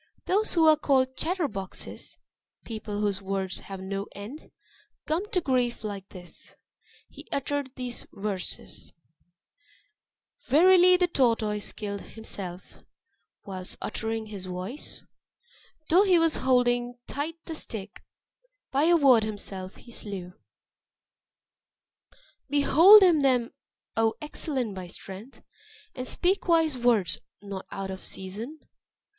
those who are called chatter boxes people whose words have no end come to grief like this," he uttered these Verses: "Verily the tortoise killed himself Whilst uttering his voice; Though he was holding tight the stick, By a word himself he slew. "Behold him then, O excellent by strength! And speak wise words, not out of season.